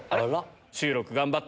収録頑張って。